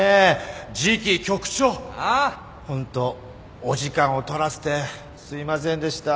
ホントお時間を取らせてすいませんでした。